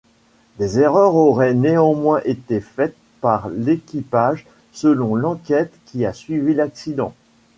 Des erreurs auraient néanmoins été faites par l'équipage selon l'enquête qui a suivi l'accident.